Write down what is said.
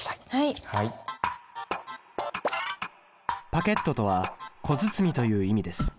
パケットとは小包という意味です。